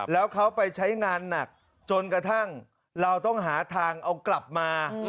แล้วเขาไปใช้งานหนักจนกระทั่งเราต้องหาทางเอากลับมา